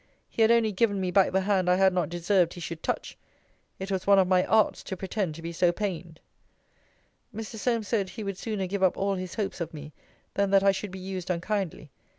He had only given me back the hand I had not deserved he should touch. It was one of my arts to pretend to be so pained. Mr. Solmes said, he would sooner give up all his hopes of me, than that I should be used unkindly.